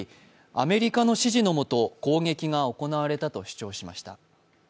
アメリカの指示のもと、攻撃が行われたと主張しました。